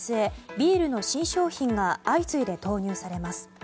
ビールの新商品が相次いで投入されます。